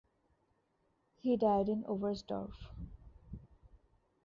He died in Oberstdorf.